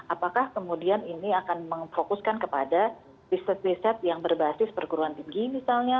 apakah kemudian ini akan memfokuskan kepada riset riset yang berbasis perguruan tinggi misalnya